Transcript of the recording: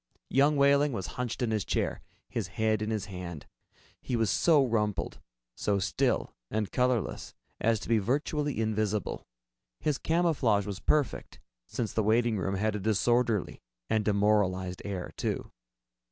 Young Wehling was hunched in his chair, his head in his hand. He was so rumpled, so still and colorless as to be virtually invisible. His camouflage was perfect, since the waiting room had a disorderly and demoralized air, too.